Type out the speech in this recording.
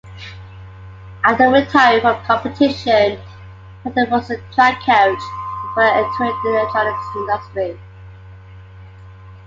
After retiring from competition, Patton was a track coach before entering the electronics industry.